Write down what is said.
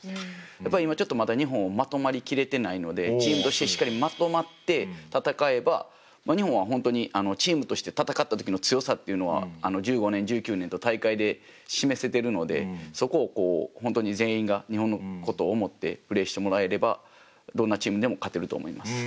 やっぱり今ちょっとまだ日本まとまり切れてないのでチームとしてしっかりまとまって戦えば日本は本当にチームとして戦った時の強さっていうのは１５年１９年と大会で示せてるのでそこを本当に全員が日本のことを思ってプレーしてもらえればどんなチームでも勝てると思います。